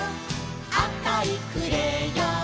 「あかいクレヨン」